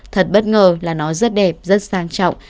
thật bất ngờ là nó rất đẹp rất sang trọng